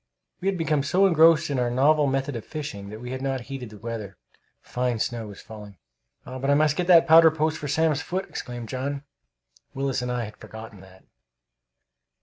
We had become so engrossed in our novel method of fishing that we had not heeded the weather. Fine snow was falling. "But I must get the powder post for Sam's foot!" exclaimed John. Willis and I had forgotten that.